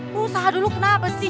lu usaha dulu kenapa sih